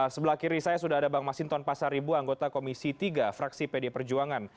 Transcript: sebelah kiri saya sudah ada bang masinton pasaribu anggota komisi tiga fraksi pd perjuangan